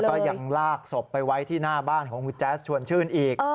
ก็ยังลากศพไปไว้ที่หน้าบ้านของคุณแจ๊สชวนชื่นอีก